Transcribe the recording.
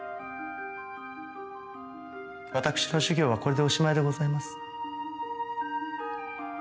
わたくしの授業はこれでおしまいでございます。